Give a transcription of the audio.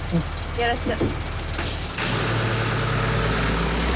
よろしく。